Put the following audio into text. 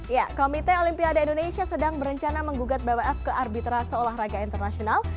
ya komite olimpiade indonesia sedang berencana menggugat bwf ke arbitra seolah raga internasional